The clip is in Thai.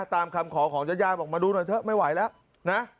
ตามคำขอของญาติญาติบอกมาดูหน่อยเถอะไม่ไหวแล้วนะ